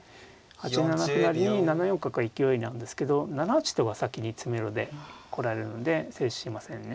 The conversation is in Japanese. ８七歩成に７四角は勢いなんですけど７八とが先に詰めろで来られるので成立しませんね。